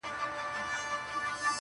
سړي وویل د کاکا زوی دي حاکم دئ.!